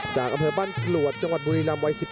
พยายามจะไถ่หน้านี่ครับการต้องเตือนเลยครับ